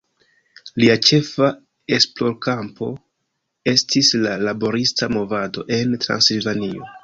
Lia ĉefa esplorkampo estis la laborista movado en Transilvanio.